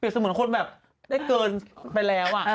เสมือนคนแบบได้เกินไปแล้ว